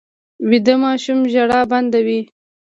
ویده ماشوم ژړا بنده وي